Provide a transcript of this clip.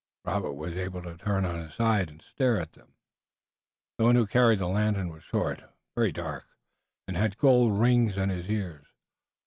Robert was able to turn on his side and stare at them. The one who carried the lantern was short, very dark, and had gold rings in his ears.